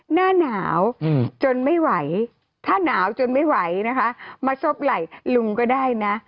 หน้าหนาวจนไม่ไหวถ้าหนาวจนไม่ไหวนะคะมาซบไหล่ลุงก็ได้นะ